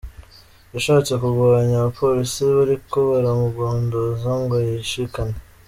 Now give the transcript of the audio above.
"Yashatse kugwanya abapolisi bariko baramugondoza ngo yishikane.